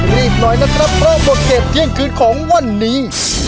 รีบหน่อยนะครับเพราะหมดเจ็บเที่ยงคืนของวันนี้